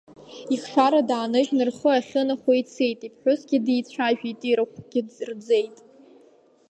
Ихшара дааныжьны рхы ахьынахо ицеит, иԥҳәысгьы дицәажәит, ирахәгьы рӡеит…